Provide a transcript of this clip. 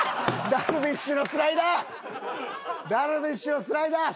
ダルビッシュのスライダーすごい！